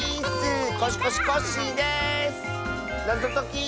なぞとき。